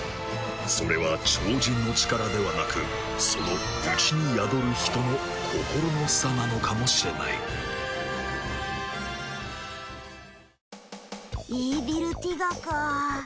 それは超人の力ではなくその内に宿る人の心の差なのかもしれないイーヴィルティガか。